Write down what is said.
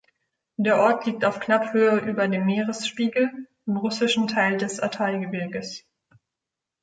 Der Ort liegt auf knapp Höhe über dem Meeresspiegel im russischen Teil des Altaigebirges.